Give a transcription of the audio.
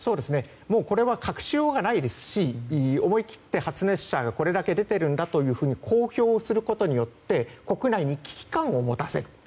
これは隠しようがないですし思い切って、発熱者がこれだけ出ているんだと公表することによって国内に危機感を持たせていると。